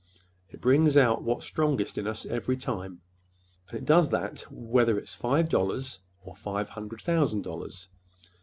It brings out what's strongest in us, every time. And it does that whether it's five dollars or five hundred thousand dollars.